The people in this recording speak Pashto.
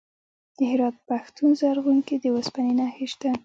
د هرات په پښتون زرغون کې د وسپنې نښې شته.